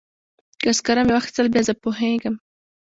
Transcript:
که سکاره مې واخیستل بیا زه پوهیږم.